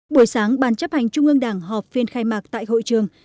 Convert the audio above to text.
buổi sáng ban chấp hành trung ương đảng họp phiên khai mạc tại hội trường